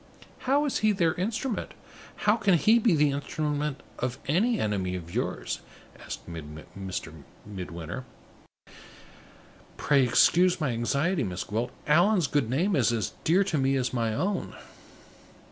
"How is he their instrument? How can he be the instrument of any enemy of yours?" asked Midwinter. "Pray excuse my anxiety, Miss Gwilt: Allan's good name is as dear to me as my own!"